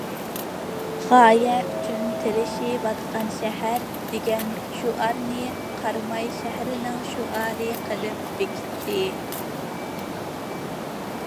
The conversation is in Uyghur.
‹‹ غايە ئۈچۈن تىرىشىۋاتقان شەھەر›› دېگەن شوئارنى قاراماي شەھىرىنىڭ شوئارى قىلىپ بېكىتتى.